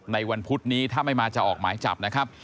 ในวันพุธนี้ถ้าไม่มาจะออกหมายจับนะครับ